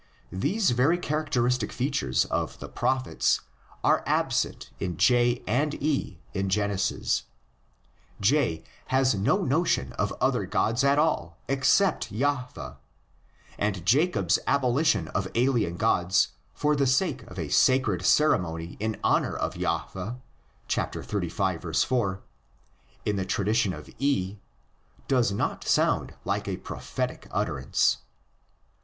These very characteristic features of the "Prophets" are absent in J and E in Genesis, J has no notion of other gods at all except Jahveh, and Jacob's abolition of alien gods for the sake of a sacred ceremony in honor of Jahveh, xxxv. 4 in the tra dition of E, does not sound like a "Prophetic" utterance.